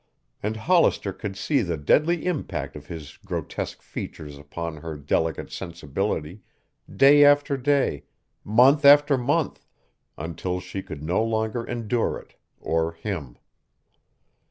And Hollister could see the deadly impact of his grotesque features upon her delicate sensibility, day after day, month after month, until she could no longer endure it, or him.